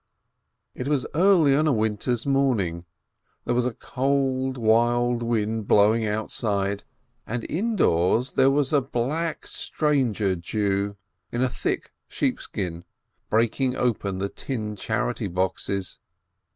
It was early on a winter morning; there was a cold, wild wind blowing outside, and indoors there was a black stranger Jew, in a thick sheepskin, breaking open the tin charity boxes.